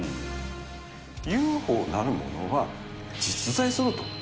なるものは、実在すると。